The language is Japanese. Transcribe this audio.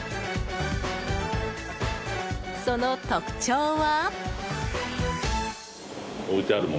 その特徴は？